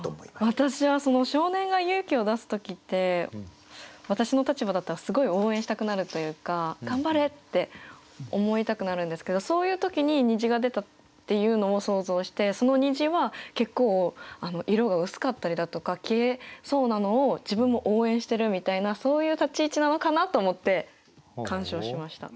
私は少年が勇気を出す時って私の立場だったらすごい応援したくなるというか頑張れ！って思いたくなるんですけどそういう時に虹が出たっていうのを想像してその虹は結構色が薄かったりだとか消えそうなのを自分も応援してるみたいなそういう立ち位置なのかなと思って鑑賞しました。